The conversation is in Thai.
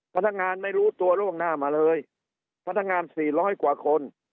พนักงานไม่รู้ตัวโรงหน้ามาเลยพนักงาน๔๐๐กว่าคน